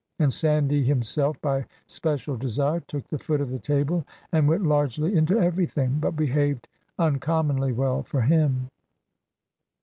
And Sandy himself, by special desire, took the foot of the table, and went largely into everything; but behaved uncommonly well, for him.